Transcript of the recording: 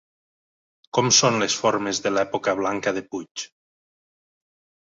Com són les formes de l'època blanca de Puig?